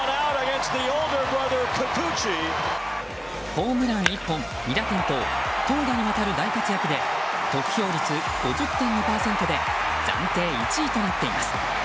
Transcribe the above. ホームラン１本、２打点と投打にわたる大活躍で得票率５０．２％で暫定１位となっています。